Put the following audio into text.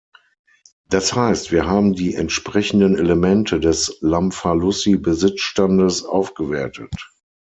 Das heißt, wir haben die entsprechenden Elemente des Lamfalussy-Besitzstandes aufgewertet.